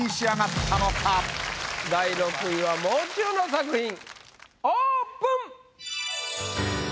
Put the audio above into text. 第６位はもう中の作品オープン！